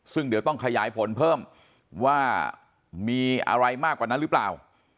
ซึ่งเดี๋ยวต้องขยายผลเพิ่มว่ามีอะไรมากกว่านั้นหรือเปล่า